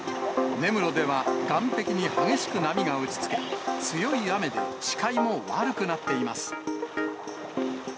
根室では岸壁に激しく波が打ちつけ、強い雨で視界も悪くなっています。